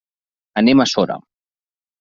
Anem a Sora.